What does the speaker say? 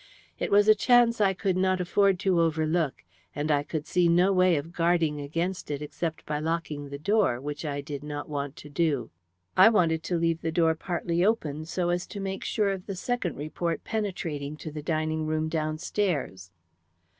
It was a chance I could not afford to overlook, and I could see no way of guarding against it except by locking the door, which I did not want to do. I wanted to leave the door partly open so as to make sure of the second report penetrating to the dining room downstairs.